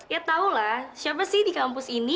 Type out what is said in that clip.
ya tahu lah siapa sih di kampus ini